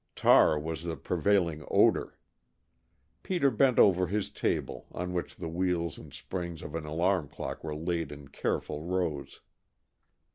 Tar was the prevailing odor. Peter bent over his table, on which the wheels and springs of an alarm clock were laid in careful rows.